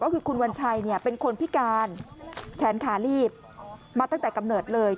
ก็คือคุณวัญชัยเป็นคนพิการแขนขาลีบมาตั้งแต่กำเนิดเลย